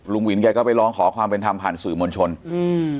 ลุงหวินแกก็ไปร้องขอความเป็นทำผ่านสื่อมณชนอืม